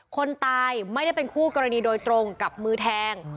คนตายไม่ได้เป็นคู่กรณีโดยตรงกับมือแทง